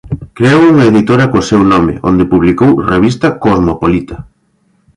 Creou unha editora co seu nome onde publicou "Revista Cosmopolita".